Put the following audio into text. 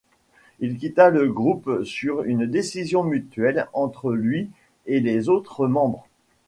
Il quitta le groupe sur une 'décision mutuelle' entre lui et les autres membres.